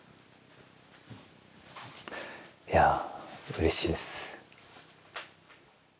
いやうれしいです。